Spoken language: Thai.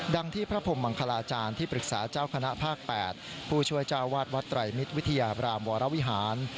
ที่พระพรมมังคลาจารย์ที่ปรึกษาเจ้าคณะภาค๘ผู้ช่วยเจ้าวาดวัดไตรมิตรวิทยาบรามวรวิหาร